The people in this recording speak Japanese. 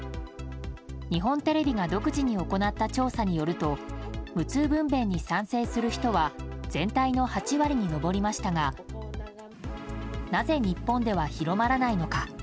日本テレビが独自に行った調査によると無痛分娩に賛成する人は全体の８割に上りましたがなぜ日本では広まらないのか。